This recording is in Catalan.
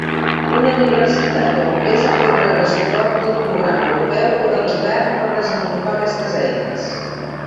Una universitat o empresa pot rebre suport d'un programa europeu o del Govern per desenvolupar aquestes eines.